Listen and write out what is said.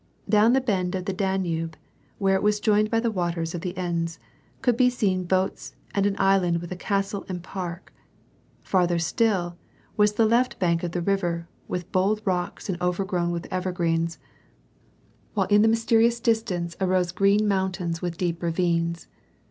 Down the bend of the Danube, where it was joitied by the waters of the Enns, could be seen boats and an island with a castle and park ; farther still, was the left bank of the river, with bold rocks and overgrown with evergreens, while in the mysterious dis WAR AND PEACn. 161 tance arose green jnountains with deep ravines.